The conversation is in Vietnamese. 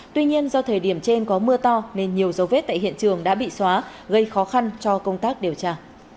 tuy nhiên do thời điểm trên có mưa to nên nhiều dấu vết tại hiện trường đã bị xóa gây khó khăn cho công tác điều tra